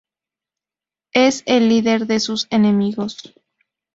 Es el líder de sus enemigos.